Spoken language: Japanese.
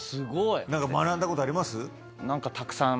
何か学んだことあります？